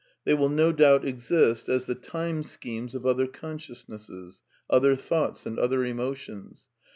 They will no doubt exist as the time schemes of other consciousnesses, other thoughts, and other emotions.